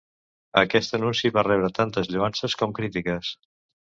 Aquest anunci va rebre tantes lloances com crítiques.